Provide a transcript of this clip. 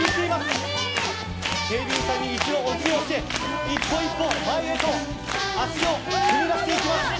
ＡＤさんに一度お辞儀して一歩一歩前へと足を踏み出していきます。